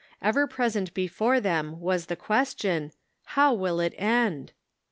Ever present before them was the question ;" How will it end